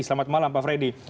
selamat malam pak fredy